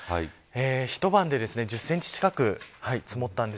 一晩で１０センチ近く積もったんです。